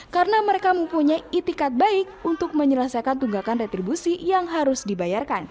karena mereka mempunyai itikat baik untuk menyelesaikan tunggakan retribusi yang harus dibayarkan